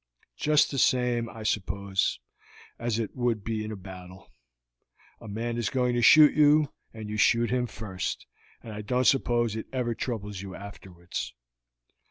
Just the same, I suppose, as it would be in a battle; a man is going to shoot you, and you shoot him first, and I don't suppose it ever troubles you afterwards."